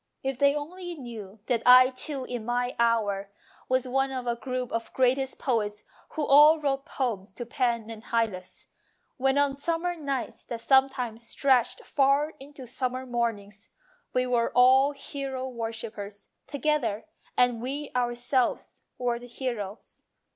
If they only knew THE GIFT OF APPRECIATION 231 that I too in my hour was one of a group of greatest poets who all wrote poems to Pan and Hylas, when on summer nights that sometimes stretched far into summer morn ings we were all hero worshippers together and we ourselves were the heroes.